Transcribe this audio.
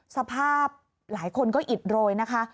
สภาพหลายคนก็อิดโรยนะคะ